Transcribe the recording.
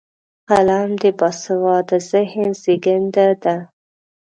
قلم د باسواده ذهن زیږنده ده